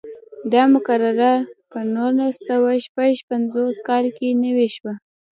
دا مقرره په نولس سوه شپږ پنځوس کال کې نوې شوه.